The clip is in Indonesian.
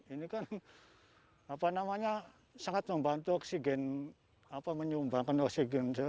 ini kan apa namanya sangat membantu oksigen menyumbangkan oksigen di negara indonesia ini